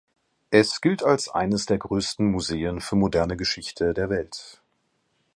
Es gilt als eines der größten Museen für moderne Geschichte der Welt.